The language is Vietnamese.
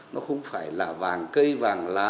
nó không phải là vàng cây vàng lá